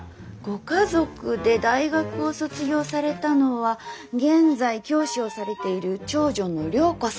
ご家族で大学を卒業されたのは現在教師をされている長女の良子さんだけ。